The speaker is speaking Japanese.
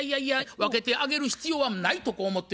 分けてあげる必要はないとこう思っておりますね。